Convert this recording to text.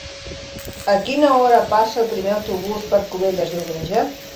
A quina hora passa el primer autobús per Cubelles diumenge?